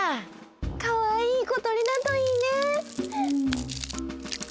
かわいい小とりだといいね。